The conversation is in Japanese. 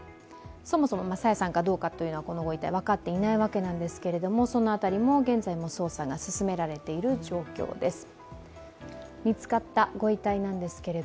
そもそも朝芽さんかどうか、このご遺体、分かっていないんですがその辺りも現在も捜査が進められている状況です。